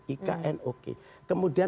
ikn oke kemudian